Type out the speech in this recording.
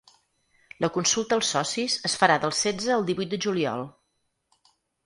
La consulta als socis es farà del setze al divuit de juliol.